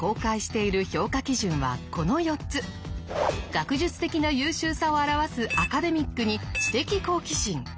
学術的な優秀さを表すアカデミックに知的好奇心。